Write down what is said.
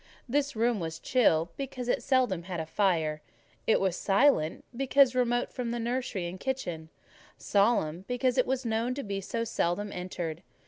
This room was chill, because it seldom had a fire; it was silent, because remote from the nursery and kitchen; solemn, because it was known to be so seldom entered.